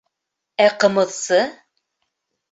Ә ҡымыҙсы?